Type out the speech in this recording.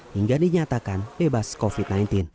hingga dinyatakan bebas covid sembilan belas